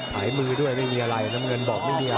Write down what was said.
ถ่ายมือด้วยไม่มีอะไรน้ำเงินบอกไม่มีอะไร